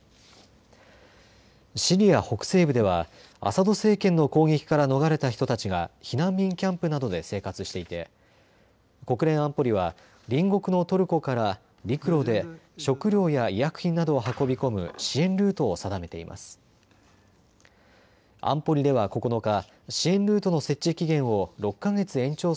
シリア北西部ではアサド政権の攻撃から逃れた人たちが避難民キャンプなどで生活していて国連安保理は隣国のトルコから陸路で食料や医薬品などを運び込む支援ルートを定めています。